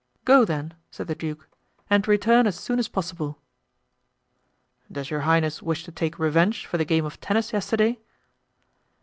"Go, then," said the duke, "and return as soon as possible." "Does your highness wish to take revenge for the game of tennis yesterday?"